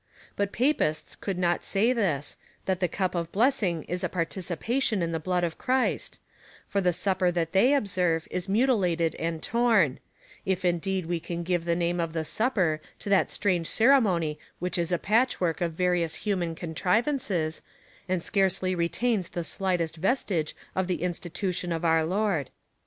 But Papists could not say this, that the cup of blessing is a participation in the blood of Christ, for the Supper that they observe is mutilated and torn : if indeed we can give the name of the Supper to that strange cere mony which is a patchwork of various human contrivances, and scarcely retains the slightest vestige of the institution 336 COMMENTARY ON THE CHAP. X. 18. of our Lord.